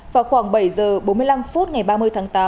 vào khoảng bảy giờ bốn mươi năm phút ngày ba mươi tháng tám